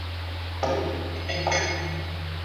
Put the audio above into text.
پر خاوند باندي د ميرمني د غوښتني منل واجب دي.